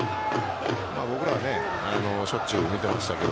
僕らはしょっちゅう見ていましたけど。